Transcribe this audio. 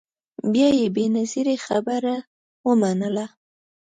بیا یې بنظیري خبره ومنله